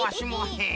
へえ！